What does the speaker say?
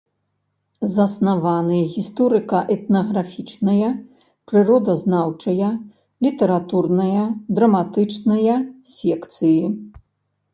Заснаваны гісторыка-этнаграфічная, прыродазнаўчая, літаратурная, драматычная секцыі.